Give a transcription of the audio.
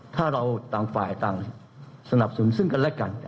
ถ้าเราต่างฝ่ายต่างสนับสนุนซึ่งกันและกัน